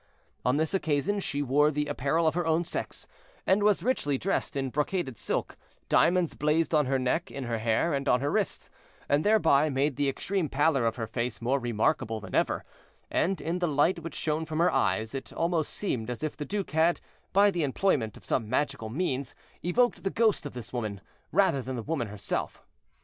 On this occasion she wore the apparel of her own sex, and was richly dressed in brocaded silk; diamonds blazed on her neck, in her hair, and on her wrists, and thereby made the extreme pallor of her face more remarkable than ever, and in the light which shone from her eyes, it almost seemed as if the duke had, by the employment of some magical means, evoked the ghost of this woman, rather than the woman herself.